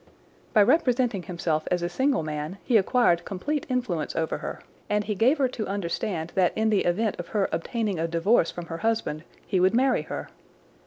By representing himself as a single man he acquired complete influence over her, and he gave her to understand that in the event of her obtaining a divorce from her husband he would marry her.